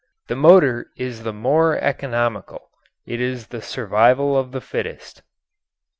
The motor is the more economical it is the survival of the fittest.